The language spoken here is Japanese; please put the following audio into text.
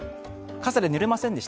傘でぬれませんでした？